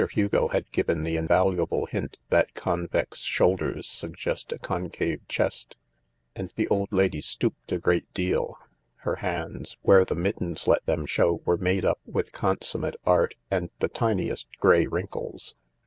Hugo had given the invaluable hint that convex shoulders suggest a concave chest — and the old lady stooped a good deal. Her hands, where the mittens let them show, were made up with consummate art and the tiniest grey wrinkles.